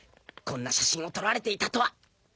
こんな写真を撮られていたとは！